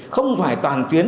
không phải toàn tuyến